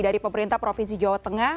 dari pemerintah provinsi jawa tengah